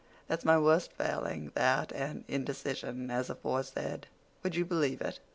That's my worst failing—that, and indecision, as aforesaid. Would you believe it?